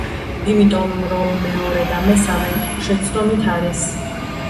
იმიტომ რომ მეორე და მესამე შეცდომით არის.